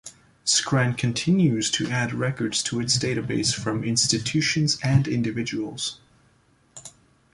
Scran continues to add records to its database from institutions and individuals.